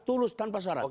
tulus tanpa syarat